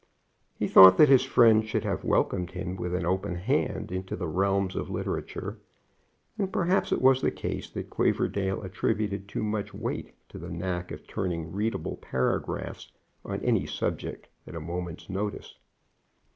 He thought that his friend should have welcomed him with an open hand into the realms of literature; and, perhaps, it was the case that Quaverdale attributed too much weight to the knack of turning readable paragraphs on any subject at any moment's notice.